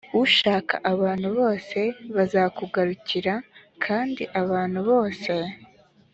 ushaka abantu bose bazakugarukira kandi abantu bose